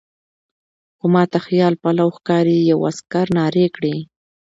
خو ما ته خیال پلو ښکاري، یوه عسکر نارې کړې.